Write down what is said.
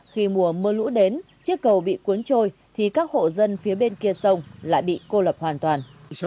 khi mùa mưa lũ đến chiếc cầu bị cuốn trôi thì các hộ dân phía bên kia sông lại bị cô lập hoàn toàn